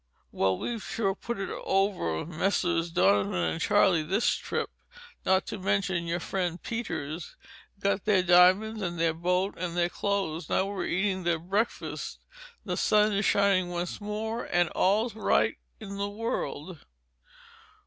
"Well, we've sure put it over on Messrs. Donovan and Charlie this trip, not to mention your friend Peters. Got their diamonds and their boat and their clothes. Now we're eating their breakfast,—the sun is shining once more—and all is right in the world."